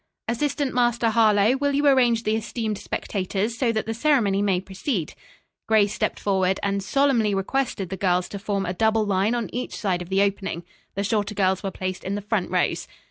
"Assistant Master Harlowe, will you arrange the esteemed spectators, so that the ceremony may proceed?" Grace stepped forward and solemnly requested the girls to form a double line on each side of the opening. The shorter girls were placed in the front rows.